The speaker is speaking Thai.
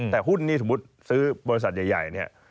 แต่หุ้นนี่สมมุติซื้อบริษัทใหญ่เนี่ย